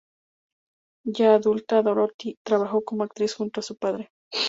Ya adulta, Dorothy trabajó como actriz junto a su padre.